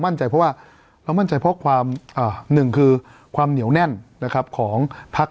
เพราะว่าเรามั่นใจเพราะความหนึ่งคือความเหนียวแน่นนะครับของพัก